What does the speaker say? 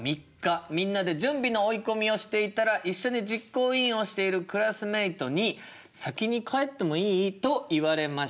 みんなで準備の追い込みをしていたら一緒に実行委員をしているクラスメートに「先に帰ってもいい？」と言われました。